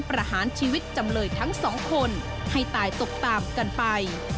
ประหารชีวิตจำเลยทั้งสองคนให้ตายตกตามกันไป